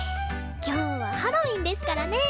今日はハロウィーンですからね。